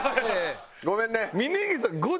ごめんね。